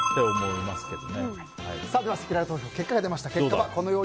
せきらら投票、結果が出ました。